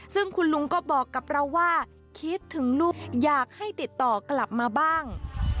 ซึ่งคุณลุงก็บอกกับเราว่าคิดถึงลูกอยากให้ติดต่อกลับมาบ้าง